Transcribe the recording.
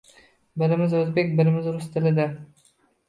Birimiz o’zbek, birimiz rus tilida…